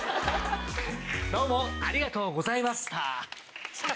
どうもありがとうございまスター。